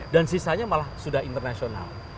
dan sisanya malah sudah internasional